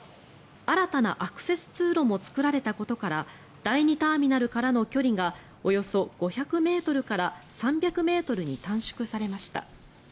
新たなアクセス通路も作られたことから第２ターミナルからの距離がおよそ５００ｍから３００ｍに短縮されました。